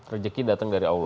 rezeki datang dari allah